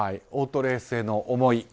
オートレースへの思い